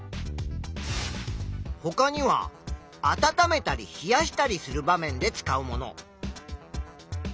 ほかには「温めたりひやしたりする場面で使うもの」。